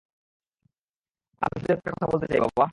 আমি শুধু একটা কথা বলতে চাই, বাবা।